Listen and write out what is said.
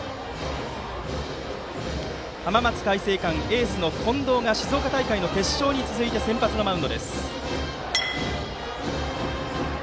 浜松開誠館、エースの近藤が静岡大会の決勝に続いて先発のマウンドです。